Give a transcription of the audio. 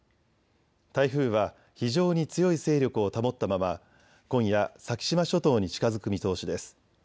台風は非常に強い勢力を保ったまま今夜、先島諸島に近づく見通しです。